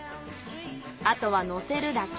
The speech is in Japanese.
あとはのせるだけ。